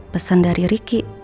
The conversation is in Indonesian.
pesan dari riki